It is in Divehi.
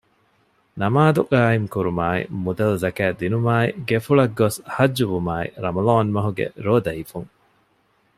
ނަމާދު ޤާއިމު ކުރުމާއި މުދަލު ޒަކާތް ދިނުމާއި ގެފުޅަށް ގޮސް ޙައްޖުވުމާއި ރަމަޟާން މަހުގެ ރޯދަ ހިފުން